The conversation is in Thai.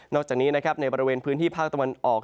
นอกจากนี้ในพื้นที่ภาคตะวันออก